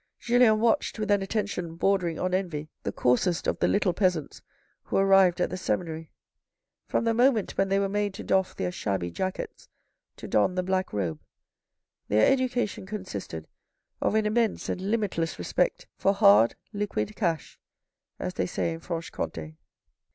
Julien watched with an attention bordering on envy the coarsest of the little peasants who arrived at the seminary. From the moment when they were made to doff their shabby jackets to don the black robe, their education consisted of an immense and limitless respect for hard liquid cash as they say in Franche comte.